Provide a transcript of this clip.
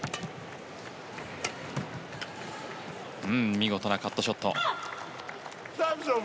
見事なカットショット。